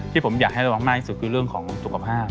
ที่ผมอยากให้ระวังมากที่สุดคือเรื่องของสุขภาพ